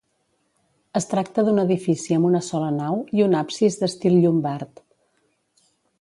Es tracta d'un edifici amb una sola nau i un absis d'estil llombard.